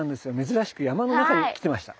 珍しく山の中に来てみました。